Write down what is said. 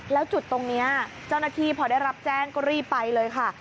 แล้วจุดตรงนี้เจ้าหน้าที่พอได้รับแจ้งก็รีบไปเลยค่ะ